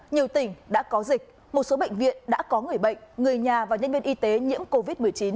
nhiều tỉnh đã có dịch một số bệnh viện đã có người bệnh người nhà và nhân viên y tế nhiễm covid một mươi chín